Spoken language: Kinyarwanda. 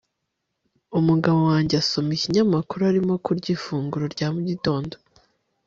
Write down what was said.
umugabo wanjye asoma ikinyamakuru arimo kurya ifunguro rya mu gitondo